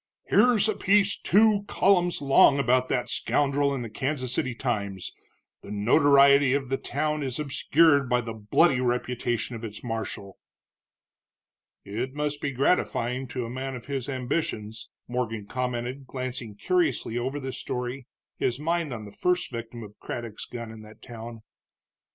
"Here's a piece two columns long about that scoundrel in the Kansas City Times the notoriety of the town is obscured by the bloody reputation of its marshal." "It must be gratifying to a man of his ambitions," Morgan commented, glancing curiously over the story, his mind on the first victim of Craddock's gun in that town.